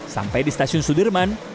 sampai di stasiun sudirman